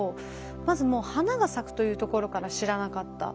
まずもう花が咲くというところから知らなかった。